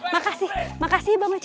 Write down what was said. makasih makasih bang wajid